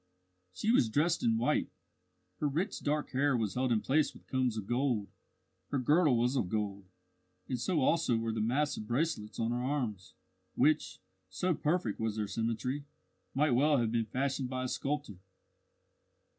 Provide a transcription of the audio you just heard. She was dressed in white; her rich dark hair was held in place with combs of gold; her girdle was of gold, and so also were the massive bracelets on her arms, which so perfect was their symmetry might well have been fashioned by a sculptor.